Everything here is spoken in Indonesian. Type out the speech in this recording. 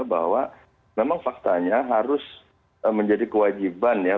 bahwa memang faktanya harus menjadi kewajiban ya